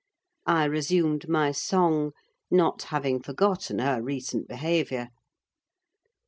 I resumed my song; not having forgotten her recent behaviour.